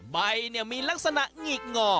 ใบมีลักษณะหงิกงอ